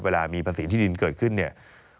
เวลามีภาษีที่ดินเกิดขึ้นเนี่ย